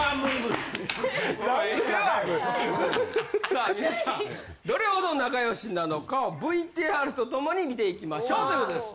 さあ皆さんどれほど仲良しなのかをＶＴＲと共に見ていきましょうということです。